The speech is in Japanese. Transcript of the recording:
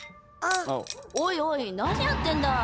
おいおい何やってんだい！